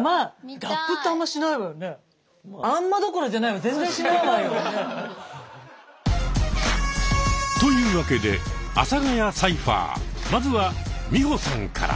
あんまどころじゃないわよ。というわけでまずは美穂さんから。